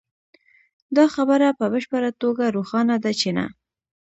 دا خبره په بشپړه توګه روښانه ده چې نه